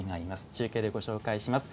中継でご紹介します。